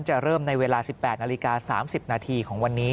จะเริ่มในเวลา๑๘นาฬิกา๓๐นาทีของวันนี้